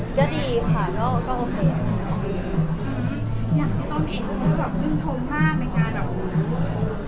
ก็ดีค่ะน้องนี่อยากพี่ต้นเง่งต้นจุดชนมากในการรูปแล้ว